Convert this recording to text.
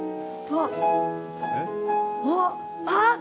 あっあっ！